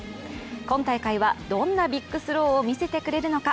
今大会はどんなビッグスローを見せてくれるのか。